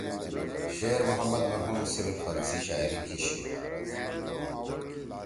شیر محمد مرحوم صرف پھل سی شاعری کیِشی۔